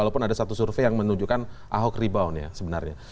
walaupun ada satu survei yang menunjukkan ahok rebound ya sebenarnya